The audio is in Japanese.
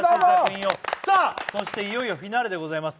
そしていよいよフィナーレでございます。